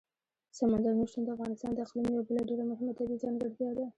سمندر نه شتون د افغانستان د اقلیم یوه بله ډېره مهمه طبیعي ځانګړتیا ده.